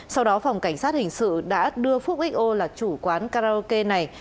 sau đó phòng cảnh sát hình sự đã đưa phúc xo là chủ quán karaoke này